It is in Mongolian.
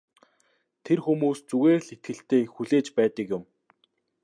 Тэр хүмүүс зүгээр л итгэлтэй хүлээж байдаг юм.